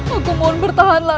aku mohon bertahanlah